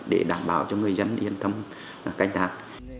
để đảm bảo cho người dân yên tâm canh tạc